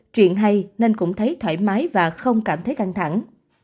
chuyện hay nên cũng thấy thoải mái và không cảm thấy căng thẳng